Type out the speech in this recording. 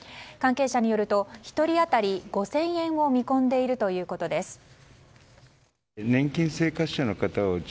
関係者によりますと１人当たり５０００円を見込んでいるということです。